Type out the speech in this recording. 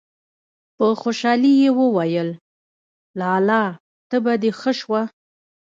په خوشالي يې وويل: لالا! تبه دې ښه شوه!!!